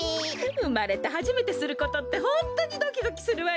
うまれてはじめてすることってホントにドキドキするわよね。